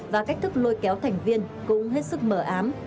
và cách thức lôi kéo thành viên cũng hết sức mở ám